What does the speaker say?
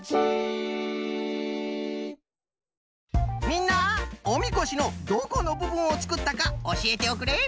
みんなおみこしのどこのぶぶんをつくったかおしえておくれ。